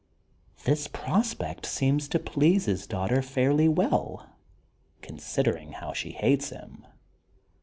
This prospect seems to please his daughter fairly well, con sidering how she hates him.